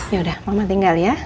yaudah mama tinggal ya